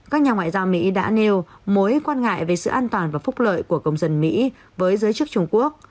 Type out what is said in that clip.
các nhà ngoại giao mỹ đã nêu mối quan ngại về sự an toàn và phúc lợi của công dân mỹ với giới chức trung quốc